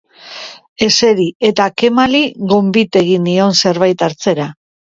Eseri, eta Kemali gonbit egin nion zerbait hartzera.